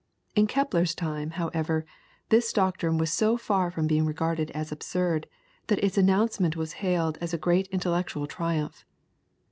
In Kepler's time, however, this doctrine was so far from being regarded as absurd, that its announcement was hailed as a great intellectual triumph.